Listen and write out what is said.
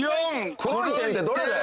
黒い点ってどれだよ。